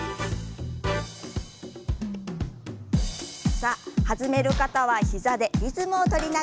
さあ弾める方は膝でリズムを取りながら。